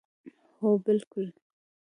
هو بلکل